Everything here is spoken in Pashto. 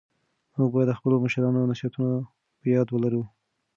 موږ بايد د خپلو مشرانو نصيحتونه په ياد ولرو.